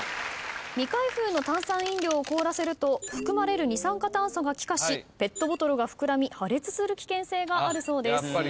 未開封の炭酸飲料を凍らせると含まれる二酸化炭素が気化しペットボトルが膨らみ破裂する危険性があるそうです。